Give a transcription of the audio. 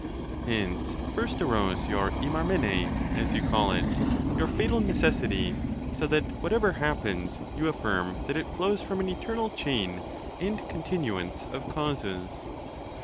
Hence first arose your Ei^ap/jtVij, as you call it, j'our fa tal necessity ; so that, whatever happens, you affirm that it flows from an eternal chain and continuance of causes.